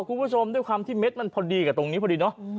คุณผู้ชมด้วยความที่เม็ดมันพอดีกับตรงนี้พอดีเนอะ